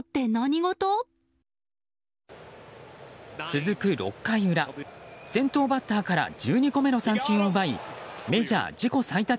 続く６回裏、先頭バッターから１２個目の三振を奪いメジャー自己最多